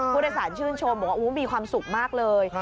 ผู้โดยสารชื่นชมบอกว่ามีความสุขมากเลย